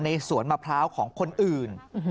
สวนมะพร้าวของคนอื่น